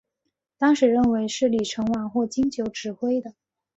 当时认为是李承晚或金九指挥的。